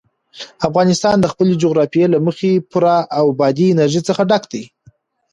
افغانستان د خپلې جغرافیې له مخې پوره له بادي انرژي څخه ډک دی.